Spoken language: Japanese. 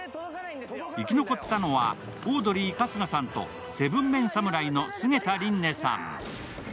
生き残ったのはオードリー春日さんと７ＭＥＮ侍の菅田琳寧さん。